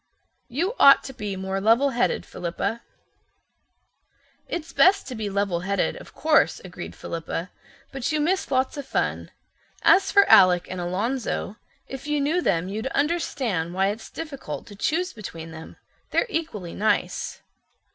"You ought to be more levelheaded, Philippa." "It's best to be levelheaded, of course," agreed Philippa, "but you miss lots of fun. As for Alec and Alonzo, if you knew them you'd understand why it's difficult to choose between them. They're equally nice."